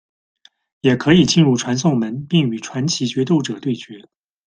也可以进入传送门并与传奇决斗者对决。